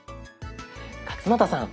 勝俣さん